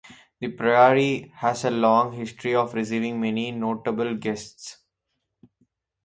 The priory has a long history of receiving many notable guests.